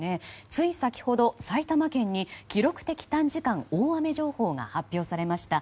つい先ほど埼玉県に記録的短時間大雨情報が発表されました。